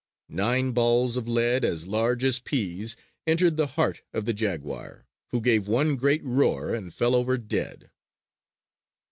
Nine balls of lead as large as peas entered the heart of the jaguar, who gave one great roar and fell over dead.